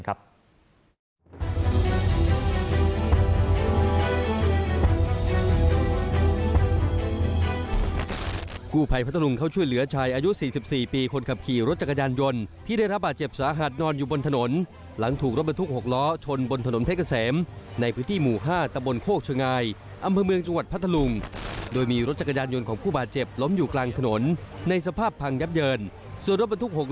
กู้ภัยพัทธรุงเข้าช่วยเหลือชายอายุ๔๔ปีคนขับขี่รถจักรยานยนต์ที่ได้รับบาดเจ็บสาหัสนอนอยู่บนถนนหลังถูกรถบรรทุก๖ล้อชนบนถนนเพชรเกษมในพื้นที่หมู่๕ตะบนโคกชะงายอำเภอเมืองจังหวัดพัทธลุงโดยมีรถจักรยานยนต์ของผู้บาดเจ็บล้มอยู่กลางถนนในสภาพพังยับเยินส่วนรถบรรทุก๖